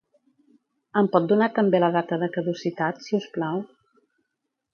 Em pot donar també la data de caducitat, si us plau?